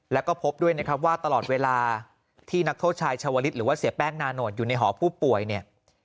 แล้วก็พบด้วยนะครับว่าตลอดเวลาที่นักโทษชายชาวลิศหรือว่าเสียแป้งนาโนตอยู่ในหอผู้ป่วยเนี่ย